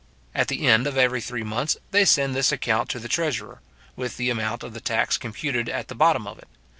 At the end of every three months, they send this account to the treasurer, with the amount of the tax computed at the bottom of it.